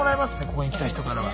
ここに来た人からは。